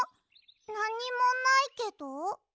なにもないけど？